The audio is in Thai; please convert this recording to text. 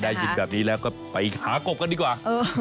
ได้ยินแบบนี้แล้วก็ไปหากบกันดีกว่า